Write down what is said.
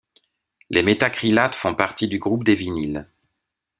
Les méthacrylates font partie du groupe des vinyles.